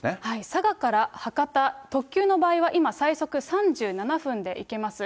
佐賀から博多、特急の場合は今、最速３７分で行けます。